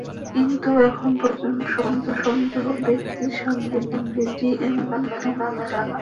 কিন্তু এখন পর্যন্ত কোনো সন্দেহভাজন ব্যক্তির সঙ্গেই ডিএনএ নমুনা মেলানো হয়নি।